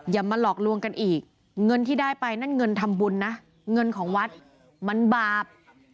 อย่ามาหลอกลวงกันอีกเงินที่ได้ไปนั่นเงินทำบุญนะเงินของวัดมันบาป